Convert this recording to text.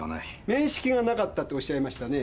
「面識がなかった」とおっしゃいましたね？